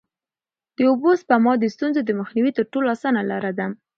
د اوبو سپما د ستونزو د مخنیوي تر ټولو اسانه لاره ده.